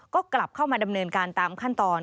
ก็กลับเข้ามาดำเนินการตามขั้นตอน